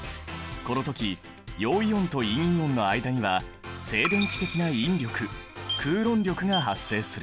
この時陽イオンと陰イオンの間には静電気的な引力クーロン力が発生する。